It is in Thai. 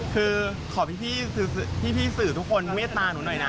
คือขอพี่สื่อทุกคนเมตตาหนูหน่อยนะ